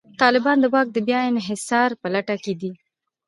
طالبان د واک د بیا انحصار په لټه کې دي.